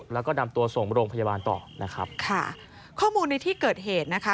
แล้วก็นำตัวส่งโรงพยาบาลต่อนะครับค่ะข้อมูลในที่เกิดเหตุนะคะ